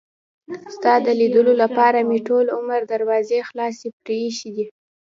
ستا د لیدلو لپاره مې ټول عمر دروازې خلاصې پرې ایښي دي.